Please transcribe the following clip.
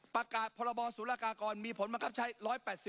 ประกาศพศสุรกากรมีผลมาครับใช้